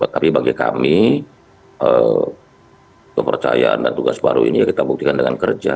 tapi bagi kami kepercayaan dan tugas baru ini ya kita buktikan dengan kerja